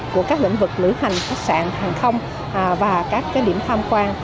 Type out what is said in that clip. của các lĩnh vực lửa hành khách sạn hàng không và các điểm tham quan